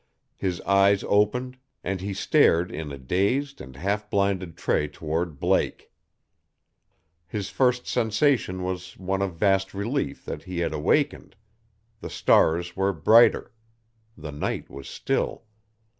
His eyes opened, and he stared in a dazed and half blinded tray toward Blake. His first sensation was one of vast relief that he had awakened. The stars were brighter. The night was still.